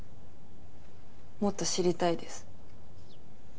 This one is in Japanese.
もっと知りたいです。